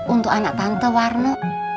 untuk anak tante warno